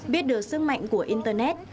biết được sức mạnh của internet